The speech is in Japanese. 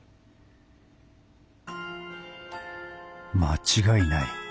間違いない。